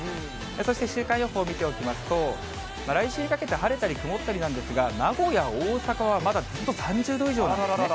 そして週間予報を見ておきますと、来週にかけて晴れたり曇ったりなんですが、名古屋、大阪はまだずっと３０度以上なんですね。